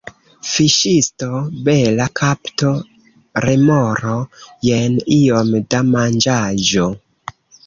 Fiŝisto: "Bela kapto, remoro. Jen iom da manĝaĵo."